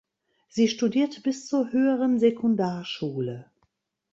Sie studierte bis zur Höheren Sekundarschule.